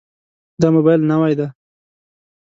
دا موبایل نوی دی.